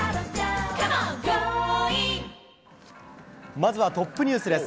まずはトップニュースです。